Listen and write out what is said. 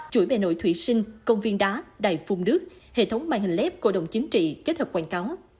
chuỗi bề nội thủy sinh công viên đá đài phung đức hệ thống màn hình lép cổ động chính trị kết hợp quảng cáo